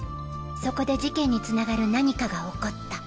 そこで事件につながる何かが起こった。